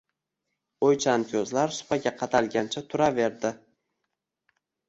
O’ychan ko‘zlar supaga qadalgancha turaverdi.